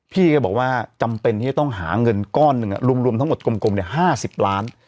พี่ก็บอกว่าจำเป็นที่จะต้องหาเงินก้อนหนึ่งรวมทั้งหมดกลม๕๐ล้าน